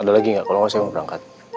ada lagi gak kalau gak saya mau berangkat